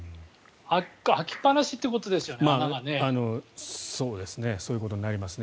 開きっぱなしということですよね。